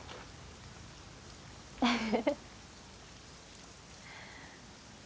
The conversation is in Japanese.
ウフフフ。